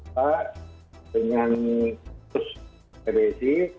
kita dengan pusat bws